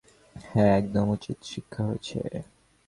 হ্যা, একদম উচিত শিক্ষা হয়েছে।